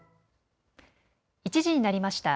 １時になりました。